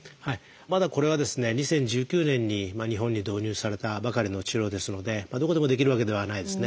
まだこれはですね２０１９年に日本に導入されたばかりの治療ですのでどこでもできるわけではないですね。